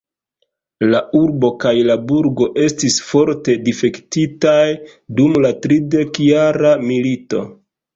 La urbo kaj la burgo estis forte difektitaj dum la tridekjara milito.